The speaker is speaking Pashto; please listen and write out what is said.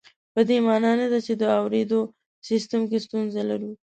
په دې مانا نه ده چې د اورېدو سیستم کې ستونزه لرو